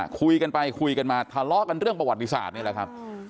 คุยกันไปคุยกันมาทะเลาะกันเรื่องประวัติศาสตร์นี่แหละครับ